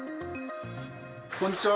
こんにちは。